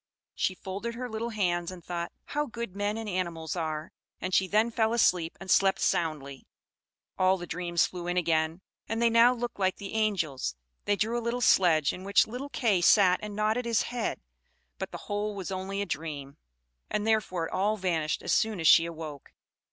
She folded her little hands and thought, "How good men and animals are!" and she then fell asleep and slept soundly. All the dreams flew in again, and they now looked like the angels; they drew a little sledge, in which little Kay sat and nodded his head; but the whole was only a dream, and therefore it all vanished as soon as she awoke.